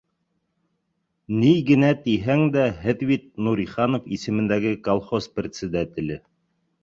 —Ни генә тиһәң дә, һеҙ бит Нуриханов исемендәге колхоз председателе